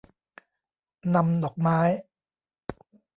นำดอกไม้